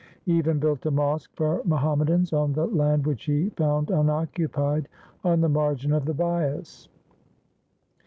He even built a mosque for Muhammadans on the land which he found unoccupied on the margin of the Bias.